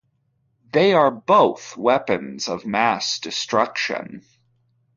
They are both weapons of mass destruction.